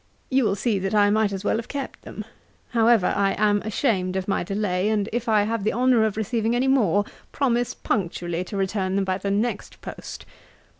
You will see that I might as well have kept them. However, I am ashamed of my delay; and if I have the honour of receiving any more, promise punctually to return them by the next post.